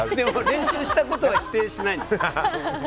練習したことは否定しないんですね。